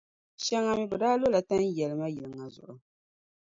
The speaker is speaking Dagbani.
Shɛŋa mi, bɛ daa lola tanʼ yɛlima yili ŋa zuɣu.